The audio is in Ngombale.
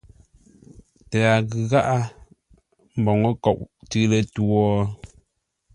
Tǎa ghʉ gháʼá mboŋə́ nkôʼ tʉ̌ lətwǒ?